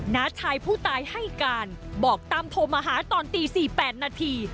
น้าชายผู้ตายให้การบอกตั้มโทรมาหาตอนตี๔๘นาที